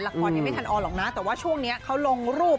ยังไม่ทันออนหรอกนะแต่ว่าช่วงนี้เขาลงรูป